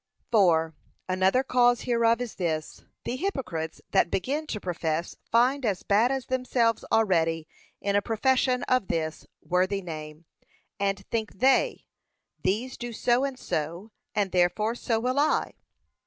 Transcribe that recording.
Another cause hereof is this, the hypocrites that begin to profess find as bad as themselves already in a profession of this worthy name; and, think they, these do so and so, and, therefore, so will I.